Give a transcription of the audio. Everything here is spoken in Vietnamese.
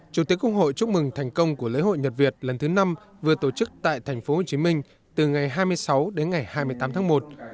chủ tịch quốc hội chúc mừng thành công của lễ hội nhật việt lần thứ năm vừa tổ chức tại tp hcm từ ngày hai mươi sáu đến ngày hai mươi tám tháng một